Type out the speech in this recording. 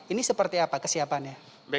ini seperti apa kesiapannya